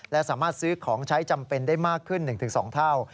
และสามารถซื้อของใช้จำเป็นได้มากขึ้น๑๒เท่า